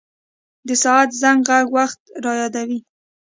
د ساعت زنګ ږغ وخت را په یادوي.